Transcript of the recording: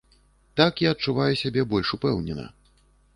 Так я адчуваю сябе больш упэўнена.